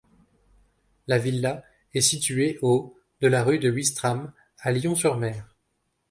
La villa est située au de la rue de Ouistreham, à Lion-sur-Mer.